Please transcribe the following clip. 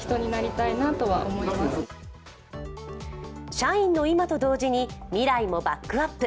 社員の今と同時に、未来もバックアップ。